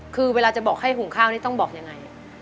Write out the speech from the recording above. คือเวลาจะบอกให้หุงข้าวนี่ต้องบอกยังไง